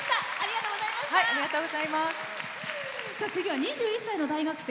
次は２１歳の大学生。